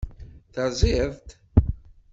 Terẓid-t?